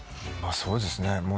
そうですね。